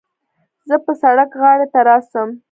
زه به د سړک غاړې ته راسم.